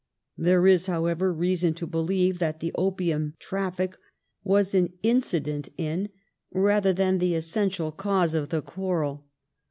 There is, how ever, reason to believe that the opium traffic was an incident in, rather than the essential cause of, the quarrel.